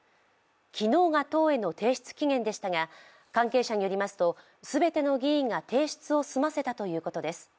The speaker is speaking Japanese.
昨日が党への提出期限でしたが関係者によりますと全ての議員が提出を済ませたということです。